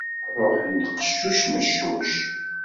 Ruḥen qeccuc meccuc.